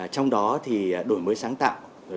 trong đó đổi mới sáng tạo